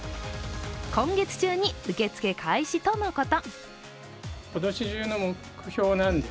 今月中に受け付け開始とのこと。